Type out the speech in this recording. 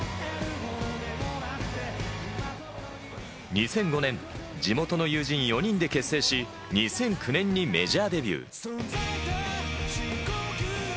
２００５年、地元の友人４人で結成し、２００９年にメジャーデビュー。